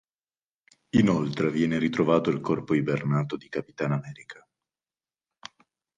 Inoltre viene ritrovato il corpo ibernato di Capitan America.